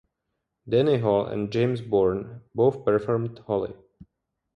Danny Hall and James Bourne both performed Holly...